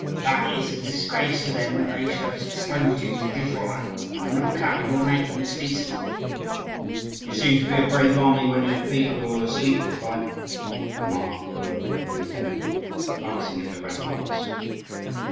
But it is a disgrace to them that they should have exposed you to dishonour, and not covered your nakedness decently." "You seem to be a brave army when you have people who are asleep to fight," remarked Golokopuitenko, glancing at the ramparts.